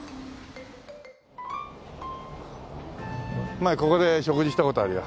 前ここで食事した事あるよ。